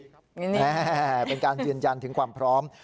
นี่เป็นการยืนยันถึงความพร้อม